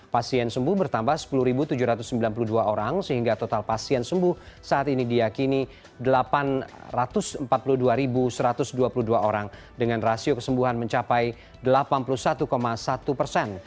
pasien sembuh bertambah sepuluh tujuh ratus sembilan puluh dua orang sehingga total pasien sembuh saat ini diakini delapan ratus empat puluh dua satu ratus dua puluh dua orang dengan rasio kesembuhan mencapai delapan puluh satu satu persen